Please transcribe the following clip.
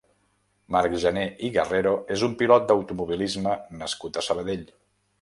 Marc Gené i Guerrero és un pilot d'automobilisme nascut a Sabadell.